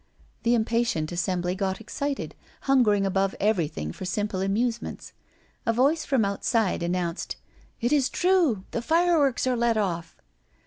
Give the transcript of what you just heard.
The impatient assembly got excited, hungering above everything for simple amusements. A voice from outside announced: "It is true! The firework's are let off!"